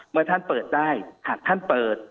เมื่อท่านเปิดได้หากท่านเปิด